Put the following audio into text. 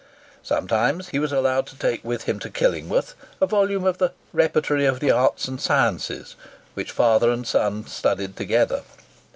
Sometimes he was allowed to take with him to Killingworth a volume of the 'Repertory of Arts and Sciences,' which father and son studied together.